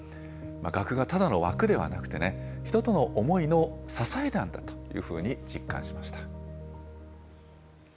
額がただの枠ではなくてね、人との思いの支えなんだというふうに実感しました。